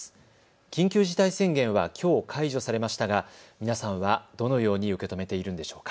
緊急事態宣言はきょう解除されましたが、皆さんはどのように受け止めているんでしょうか。